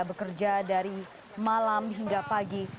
bekerja dari malam hingga pagi